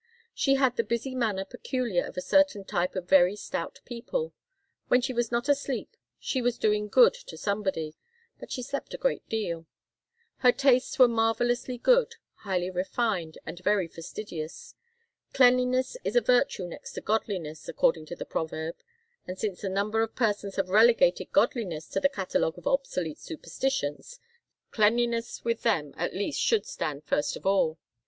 She had the busy manner peculiar to a certain type of very stout people. When she was not asleep she was doing good to somebody but she slept a great deal. Her tastes were marvellously good, highly refined, and very fastidious. Cleanliness is a virtue next to godliness, according to the proverb and since a number of persons have relegated godliness to the catalogue of obsolete superstitions, cleanliness with them, at least, should stand first of all.